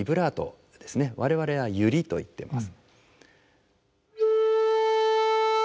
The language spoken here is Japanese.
我々はユリといってます。